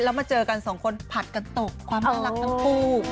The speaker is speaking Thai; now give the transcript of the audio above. แล้วมาเจอกันสองคนผัดกันตกความน่ารักทั้งคู่